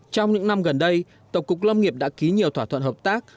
trong những năm gần đây tổng cục lâm nghiệp đã ký nhiều thỏa thuận hợp tác